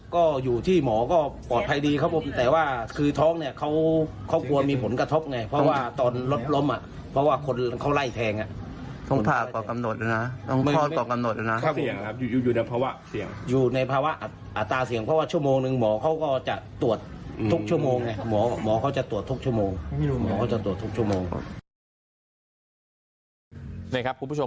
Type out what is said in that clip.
คุณผู้ชมครับต่อมาทาง